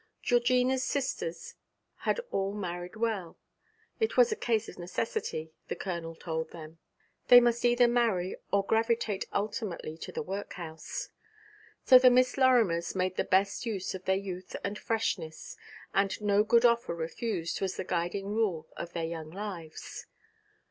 Georgina's sisters had all married well. It was a case of necessity, the Colonel told them; they must either marry or gravitate ultimately to the workhouse. So the Miss Lorimers made the best use of their youth and freshness, and 'no good offer refused' was the guiding rule of their young lives.